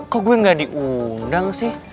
kok gue gak diundang sih